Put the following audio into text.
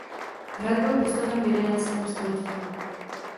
Hrad byl postaven v jedenáctém století.